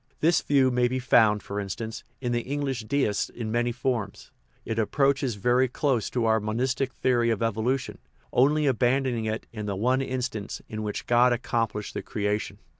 This view may be found, for instance, in the English Deists in many forms. It approaches very close to our monistic theory of evolution, only abandoning it in the one instant in which God accomplished the creation.